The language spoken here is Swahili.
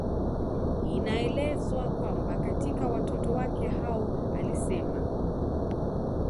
Inaelezwa kwamba katika watoto wake hao alisema